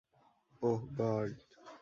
ওহ god!